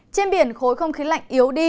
trên biển khối không khí lạnh yếu đi